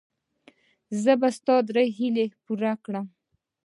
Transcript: زه به ستا درې هیلې پوره کړم.